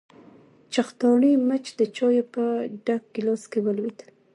چختاړي مچ د چايو په ډک ګيلاس کې ولوېد.